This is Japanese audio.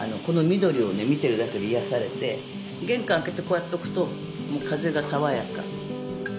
見てるだけで癒やされて玄関開けてこうやっておくと風が爽やか。